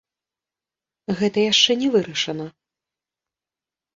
Гэта яшчэ не вырашана.